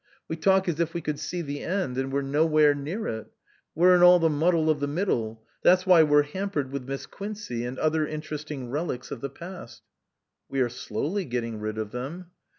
We talk as if we could see the end ; and we're nowhere near it ; we're in all the muddle of the middle that's why we're hampered with Miss Quincey and other interesting relics of the past." " We are slowly getting rid of them."